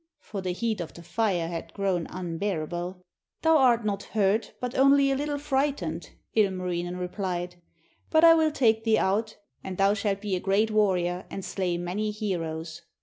for the heat of the fire had grown unbearable. 'Thou art not hurt, but only a little frightened,' Ilmarinen replied; 'but I will take thee out, and thou shalt be a great warrior and slay many heroes.'